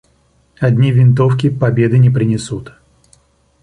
Одни винтовки победы не принесут.